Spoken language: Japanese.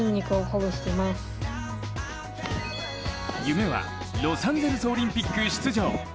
夢はロサンゼルスオリンピック出場。